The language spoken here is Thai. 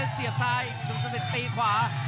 เสียบซ้ายนุ่มสะเติกตีขวา